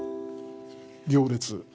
行列。